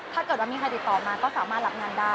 ถ้าเกิดว่ามีใครติดต่อมาก็สามารถรับงานได้